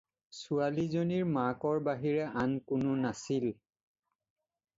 ছোৱালীজনীৰ মাকৰ বাহিৰে আন কোনো নাছিল।